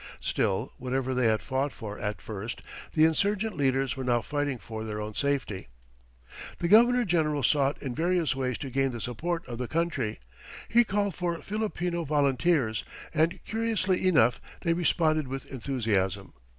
Still, whatever they had fought for at first, the insurgent leaders were now fighting for their own safety. The governor general sought in various ways to gain the support of the country. He called for Filipino volunteers, and, curiously enough, they responded with enthusiasm.